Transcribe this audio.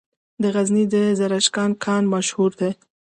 د غزني د زرکشان کان مشهور دی